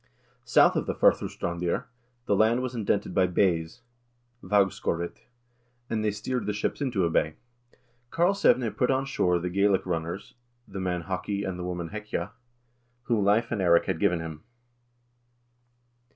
1 South of the Fur'Sustrandir " the land was indented by bays (vag skorit) and they steered the ships into a bay." Karlsevne put on shore the Gaelic runners (the man Haki and the woman Hekja) whom Leiv and Eirik had given him.